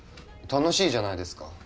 楽しいじゃないですか。